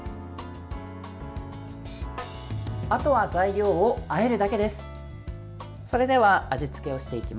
あとは材料をあえるだけです。